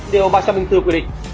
điều ba trăm linh bốn quyết định